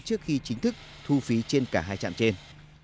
trước khi chính thức thu phí trên cả hai trạm trên